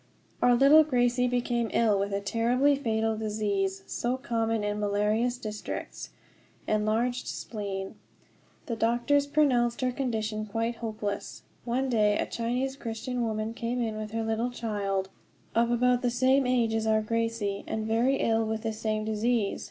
Our little Gracie became ill with a terribly fatal disease, so common in malarious districts enlarged spleen. The doctors pronounced her condition quite hopeless. One day a Chinese Christian woman came in with her little child, of about the same age as our Gracie, and very ill with the same disease.